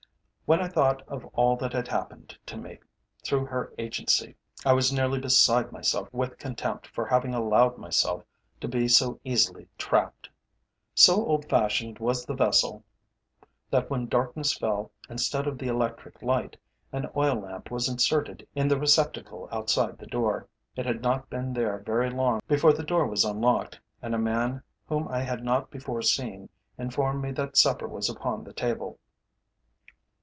When I thought of all that had happened to me through her agency, I was nearly beside myself with contempt for having allowed myself to be so easily trapped. So old fashioned was the vessel that when darkness fell, instead of the electric light, an oil lamp was inserted in the receptacle outside the door. It had not been there very long before the door was unlocked, and a man whom I had not before seen, informed me that supper was upon the table.